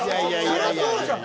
そりゃそうじゃん！